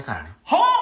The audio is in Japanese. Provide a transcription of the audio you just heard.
はあ？